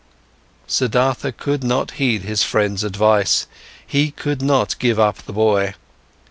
Siddhartha could not heed his friend's advice, he could not give up the boy.